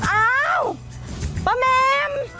อ้าวป้าแมม